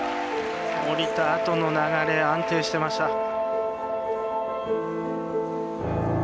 降りたあとの流れ安定してました。